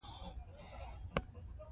پښتو ژبه مو په هر ګام کې ملګرې وي.